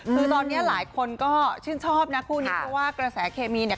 คือตอนนี้หลายคนก็ชื่นชอบนะคู่นี้เพราะว่ากระแสเคมีเนี่ย